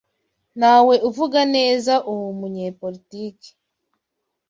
Ntawe uvuga neza uwo munyapolitiki.